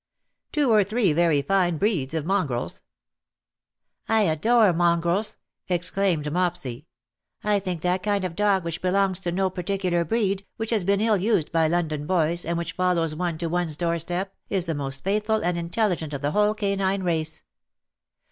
" Two or three very fine breeds of mongrels.''^ '* I adore mongrels V exclaimed Mopsy. '^ I think that kind of dog which belongs to no parti cular breed, which has been ill used by London boys, and which follows one to one's doorstep, is the most faithful and intelligent of the whole canine race.